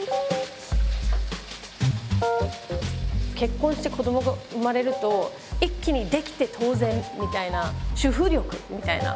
結婚して子供が産まれると一気に「できて当然」みたいな「主婦力」みたいな。